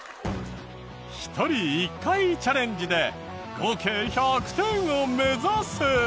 １人１回チャレンジで合計１００点を目指せ！